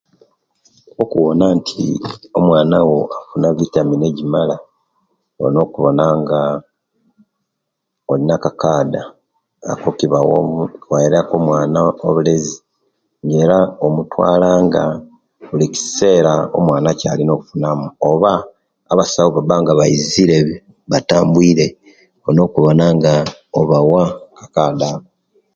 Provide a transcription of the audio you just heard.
Okuwona nti omwana wo afuna vitamini ejimala olina okuwona nga olina akakada ako ekibawa okuweraku omwana obulezi nera omutwala nga bulikisera omwana echalina okufunamu oba abasawo owebabba nga baizire batambwire olina okuwona nga Obawa aka kada